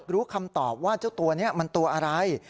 รู้คำตอบว่าเจ้าตัวนี้มันตัวอะไร